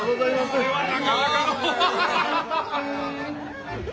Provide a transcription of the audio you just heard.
これはなかなかの。